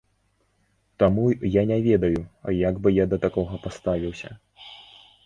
Таму я не ведаю, як бы я да такога паставіўся.